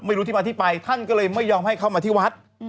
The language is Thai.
ไม่รู้ที่มาที่ไปท่านก็เลยไม่ยอมให้เข้ามาที่วัด